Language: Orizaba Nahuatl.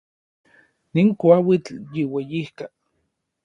Nin kuauitl yiueyijka.